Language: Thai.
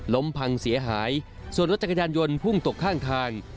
พังเสียหายส่วนรถจักรยานยนต์พุ่งตกข้างทาง